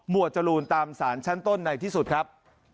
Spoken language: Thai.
จรูนตามสารชั้นต้นในที่สุดครับ